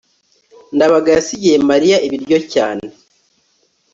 ndabaga yasigiye mariya ibiryo cyane